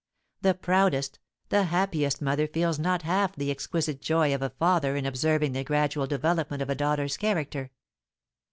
The proudest, the happiest mother feels not half the exquisite joy of a father in observing the gradual development of a daughter's character.